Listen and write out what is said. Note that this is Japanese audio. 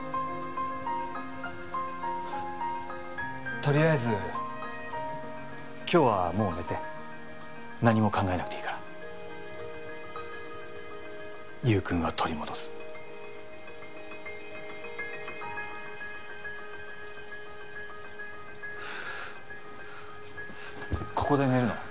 とりあえず今日はもう寝て何も考えなくていいから優君は取り戻すここで寝るの？